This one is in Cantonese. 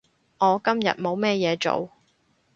我今日冇咩嘢做